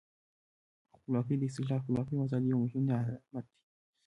خپلواکي د استقلال، خپلواکي او آزادۍ یو مهم نعمت دی.